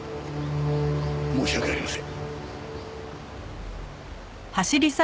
申し訳ありません。